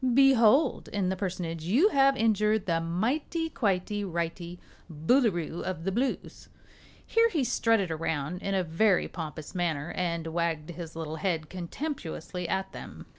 Behold in the Personage you have injured the Mighty Quitey Righty Boolooroo of the Blues!" Here he strutted around in a very pompous manner and wagged his little head contemptuously at them.